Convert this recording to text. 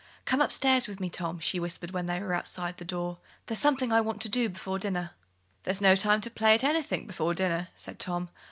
"Come upstairs with me, Tom," she whispered, when they were outside the door. "There's something I want to do before dinner." "There's no time to play at anything before dinner," said Tom.